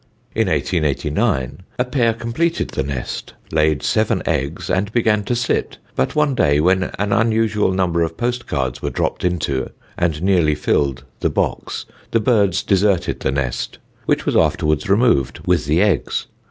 In 1889, a pair completed the nest, laid seven eggs, and began to sit; but one day, when an unusual number of post cards were dropped into, and nearly filled, the box, the birds deserted the nest, which was afterwards removed with the eggs.